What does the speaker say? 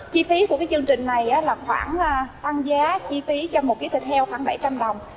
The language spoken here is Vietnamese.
chi phí của chương trình này là khoảng tăng giá chi phí cho một cái thịt heo khoảng bảy trăm linh đồng